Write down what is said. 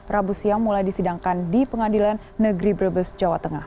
rabu siang mulai disidangkan di pengadilan negeri brebes jawa tengah